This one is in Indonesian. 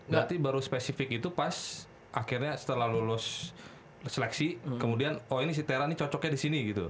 berarti baru spesifik itu pas akhirnya setelah lulus seleksi kemudian oh ini si tera ini cocoknya disini gitu